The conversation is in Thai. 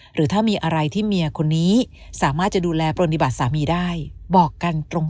หรือถ้ามีอะไรที่เมียคนนี้สามารถจะดูแลปฏิบัติสามีได้บอกกันตรง